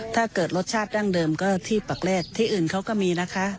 ถ้าเกิดรสชาติดั้งเดิมก็ที่ปักแรกที่อื่นเขาก็มีนะคะ